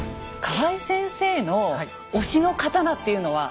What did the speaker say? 河合先生の推しの刀っていうのは。